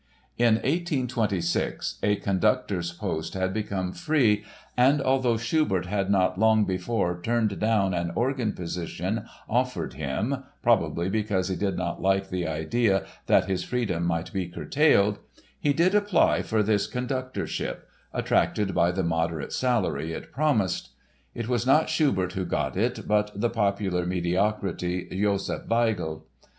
In 1826 a conductor's post had become free and although Schubert had not long before turned down an organ position offered him (probably because he did not like the idea that his freedom might be curtailed) he did apply for this conductorship, attracted by the moderate salary it promised. It was not Schubert who got it but the popular mediocrity, Josef Weigl.